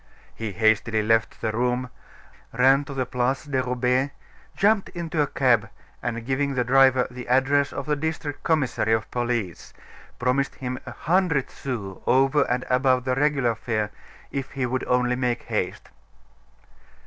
He hastily left the room, ran to the Place de Roubaix, jumped into a cab, and giving the driver the address of the district commissary of police, promised him a hundred sous over and above the regular fare if he would only make haste.